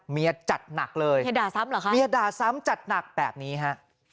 เมียจัดหนักเลยเมียด่าซ้ำเหรอคะเมียด่าซ้ำจัดหนักแบบนี้ฮะ